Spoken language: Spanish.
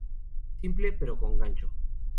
Simple, pero con gancho.